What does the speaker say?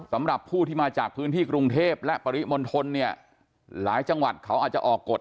สำหรับผู้ที่มาจากพื้นที่กรุงเทพและปริมณฑลเนี่ยหลายจังหวัดเขาอาจจะออกกฎ